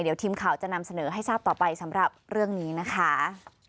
เดี๋ยวทีมข่าวจะนำเสนอให้ทราบต่อไปสำหรับเรื่องนี้นะคะ